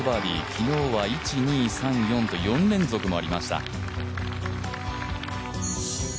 昨日は１、２、３、４と４連続もありました。